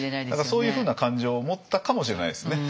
そういうふうな感情を持ったかもしれないですね。